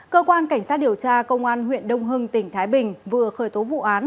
cơ quan cảnh sát điều tra công an huyện đông hưng tỉnh thái bình vừa khởi tố vụ án